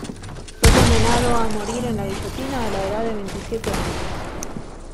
Fue condenado a morir en la guillotina a la edad de veintisiete años.